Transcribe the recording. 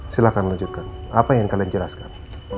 silahkan lanjutkan apa yang kalian jelaskan